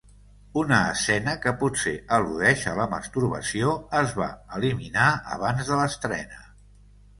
Una escena que potser al·ludeix a la masturbació es va eliminar abans de l'estrena.